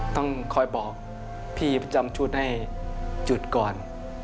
ต้องคอยบอกพี่ประจำชุดให้หยุดก่อน